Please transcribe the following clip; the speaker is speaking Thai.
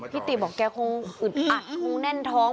ติบอกแกคงอึดอัดคงแน่นท้อง